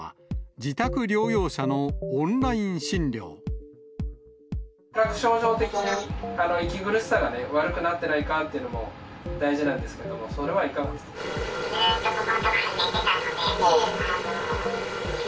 自覚症状的に息苦しさが悪くなってないかというのも大事なんですけども、それはいかがですか？